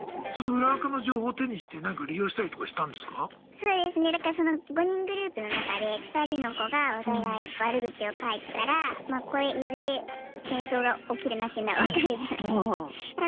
そうですねだからその５人グループの中で２人の子がお互い悪口を書いてたらいずれ戦争が起きるなっていうのは分かるじゃないですか。